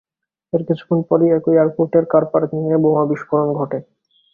এর কিছুক্ষণ পর একই এয়ারপোর্টের, কার পার্কিংয়ে বোমা বিস্ফোরণ ঘটে।